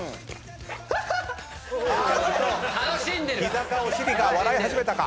膝かお尻が笑い始めたか。